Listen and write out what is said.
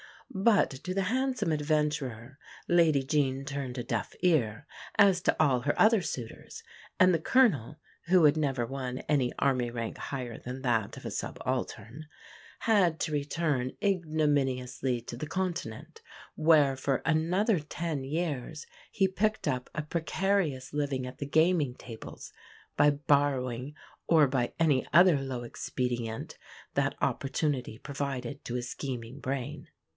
But to the handsome adventurer Lady Jean turned a deaf ear, as to all her other suitors; and the "Colonel," who had never won any army rank higher than that of a subaltern, had to return ignominiously to the Continent, where for another ten years he picked up a precarious living at the gaming tables, by borrowing or by any other low expedient that opportunity provided to his scheming brain.